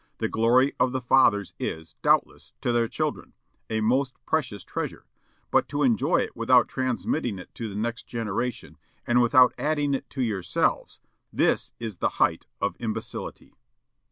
The glory of the fathers is, doubtless, to their children, a most precious treasure; but to enjoy it without transmitting it to the next generation, and without adding to it yourselves, this is the height of imbecility."